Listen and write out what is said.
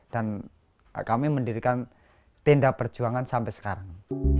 dan kami mendirikan tenda perjuangan sampai sekarang